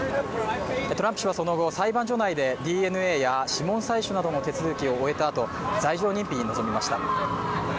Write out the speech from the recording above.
トランプ氏はその後、裁判所内でＤＮＡや指紋採取などの手続きを終えたあと罪状認否に臨みました。